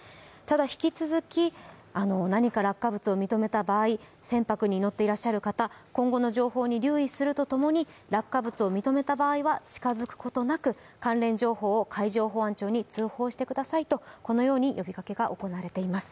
引き続き、何か落下物を認めた場合船舶に乗っていらっしゃる方、今後の情報に留意するとともに、落下物を認めた場合は近づくことなく、関連情報を海上保安庁に通報してくださいという呼びかけが行われています。